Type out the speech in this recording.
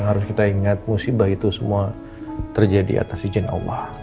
harus kita ingat musibah itu semua terjadi atas izin allah